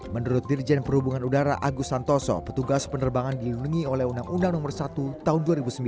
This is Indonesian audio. menurut dirjen perhubungan udara agus santoso petugas penerbangan dilindungi oleh undang undang nomor satu tahun dua ribu sembilan